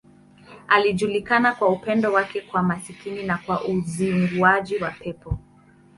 Alijulikana kwa upendo wake kwa maskini na kwa uzinguaji wa pepo.